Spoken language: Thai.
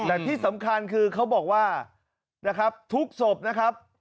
แต่ที่สำคัญคือเขาบอกว่านะครับทุกศพนะครับ